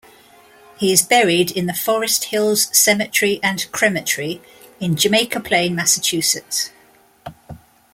He is buried in the Forest Hills Cemetery and Crematory in Jamaica Plain, Massachusetts.